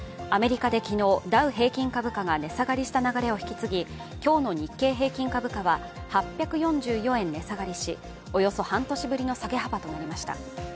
アメリカで昨日ダウ平均株価が値下がりした流れを引き続き、今日の日経平均株価は８４４円値下がりし、およそ半年ぶりの下げ幅となりました。